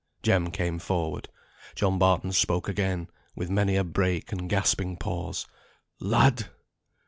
Jem came forward. John Barton spoke again, with many a break and gasping pause, "Lad!